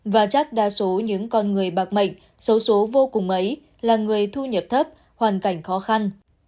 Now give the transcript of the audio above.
và chắc đa số những con người bạc mệnh số số vô cùng ấy là người thu nhập thấp hoàn cảnh khó khăn